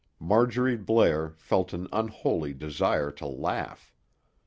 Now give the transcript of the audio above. Marjorie Blair felt an unholy desire to laugh.